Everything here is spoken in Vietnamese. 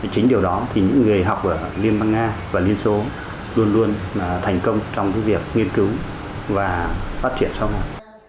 chính điều đó thì những người học ở liên bang nga và liên xô luôn luôn thành công trong việc nghiên cứu và phát triển sau này